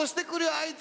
あいつ。